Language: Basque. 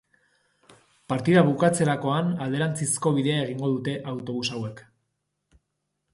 Partida bukatzerakoan alderantzizko bidea egingo dute autobus hauek.